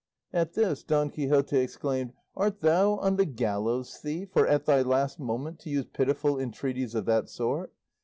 At this Don Quixote exclaimed, "Art thou on the gallows, thief, or at thy last moment, to use pitiful entreaties of that sort?